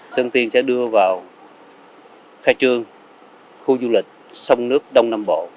sơn tiên sẽ đưa vào khai trương khu du lịch sông nước đông nam bộ